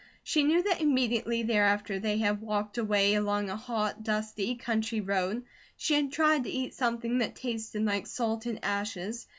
She knew that immediately thereafter they had walked away along a hot, dusty country road; she had tried to eat something that tasted like salted ashes.